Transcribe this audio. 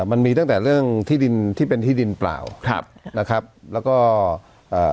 มันมีตั้งแต่เรื่องที่ดินที่เป็นที่ดินเปล่าครับนะครับแล้วก็เอ่อ